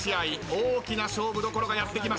大きな勝負どころがやって来ました。